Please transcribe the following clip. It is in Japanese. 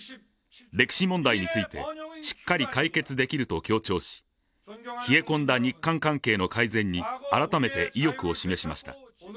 歴史問題について、しっかり解決できると強調し冷え込んだ日韓関係の改善に改めて意欲を示しました。